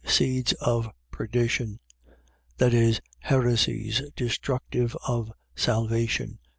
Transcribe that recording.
Seeds of perdition. . .That is, heresies destructive of salvation.